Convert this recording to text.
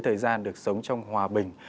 thời gian được sống trong hòa bình